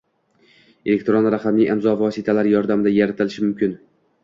elektron raqamli imzo vositalari yordamida yaratilishi mumkin.